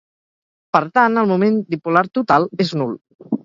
Per tant el moment dipolar total és nul.